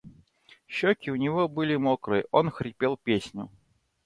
щеки у него были мокрые, он хрипел песню